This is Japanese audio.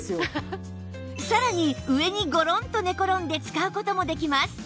さらに上にゴロンと寝転んで使う事もできます